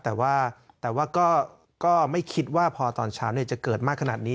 แต่ว่าก็ไม่คิดว่าพอตอนเช้าจะเกิดมากขนาดนี้